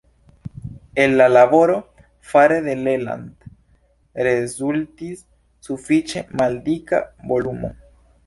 El la laboro fare de Leland rezultis sufiĉe maldika volumo.